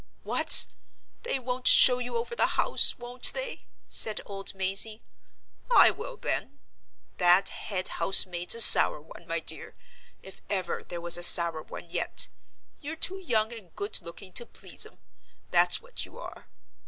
"What, they won't show you over the house—won't they?" said old Mazey. "I will, then! That head house maid's a sour one, my dear—if ever there was a sour one yet. You're too young and good looking to please 'em—that's what you are."